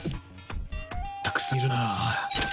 たくさんいるな。